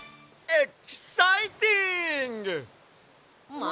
えっ？